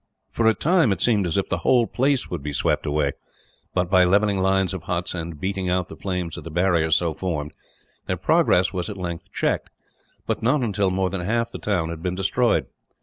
For a time it seemed as if the whole place would be swept away but, by levelling lines of huts, and beating out the flames at the barrier so formed, their progress was at length checked; but not until more than half the town had been destroyed.